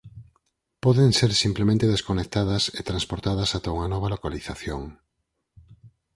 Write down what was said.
Poden ser simplemente desconectadas e transportadas ata unha nova localización.